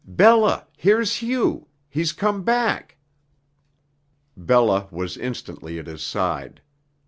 "Bella! Here's Hugh. He's come back." Bella was instantly at his side.